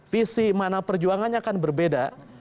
visi mana perjuangannya akan berbeda